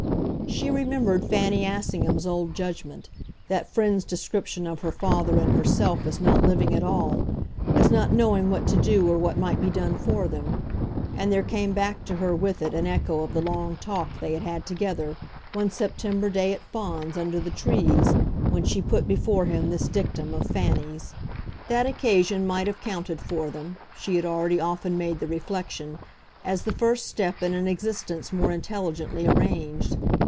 She remembered Fanny Assingham's old judgment, that friend's description of her father and herself as not living at all, as not knowing what to do or what might be done for them; and there came back to her with it an echo of the long talk they had had together, one September day at Fawns, under the trees, when she put before him this dictum of Fanny's. That occasion might have counted for them she had already often made the reflection as the first step in an existence more intelligently arranged.